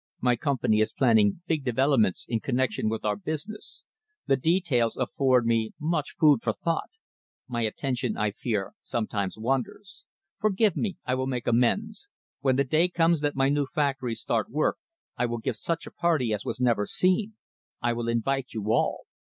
"My company is planning big developments in connection with our business. The details afford me much food for thought. My attention, I fear, sometimes wanders. Forgive me, I will make amends. When the day comes that my new factories start work, I will give such a party as was never seen. I will invite you all.